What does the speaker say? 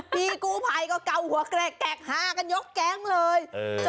พี่กู้ภัยก็เกาหัวแกรค่ะยกแกร้งเลย